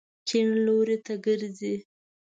کیڼ لوري ته ګرځئ